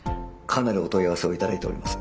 かなりお問い合わせを頂いております。